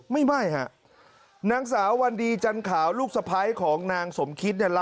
ไม่ฮะนางสาววันดีจันขาวลูกสะพ้ายของนางสมคิดเนี่ย